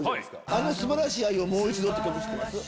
『あの素晴らしい愛をもう一度』知ってます？